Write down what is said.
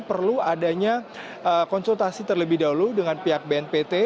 perlu adanya konsultasi terlebih dahulu dengan pihak bnpt